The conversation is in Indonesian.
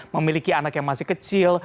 memiliki anak yang masih kecil